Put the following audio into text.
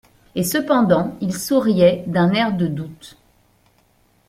Et cependant, il souriait d'un air de doute.